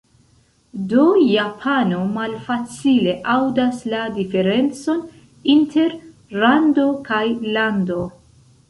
Do japano malfacile aŭdas la diferencon inter "rando" kaj "lando".